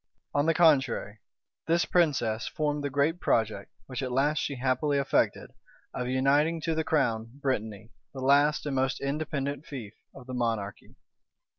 On the contrary, this princess formed the great project, which at last she happily effected, of uniting to the crown Brittany, the last and most independent fief of the monarchy.